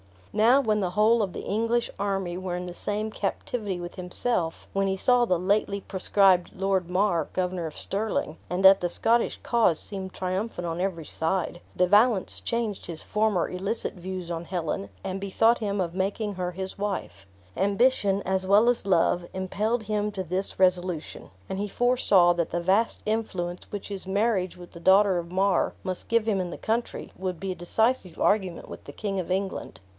Now when the whole of the English army were in the same captivity with himself, when he saw the lately proscribed Lord Mar, Governor of Stirling, and that the Scottish cause seemed triumphant on every side, De Valence changed his former illicit views on Helen, and bethought him of making her his wife. Ambition, as well as love, impelled him to this resolution; and he foresaw that the vast influence which his marriage with the daughter of Mar must give him in the country, would be a decisive argument with the King of England.